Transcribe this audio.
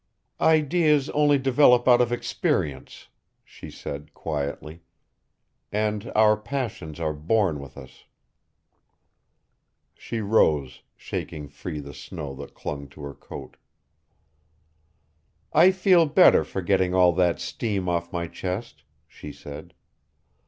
"Ideas only develop out of experience," she said quietly. "And our passions are born with us." She rose, shaking free the snow that clung to her coat. "I feel better for getting all that steam off my chest," she said.